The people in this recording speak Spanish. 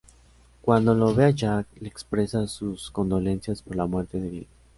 Cuando lo ve a Jack, le expresa sus condolencias por la muerte de Bill.